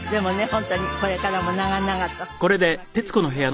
本当にこれからも長々と今９４歳。